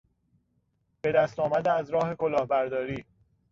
به دست آمده از راه کلاهبرداری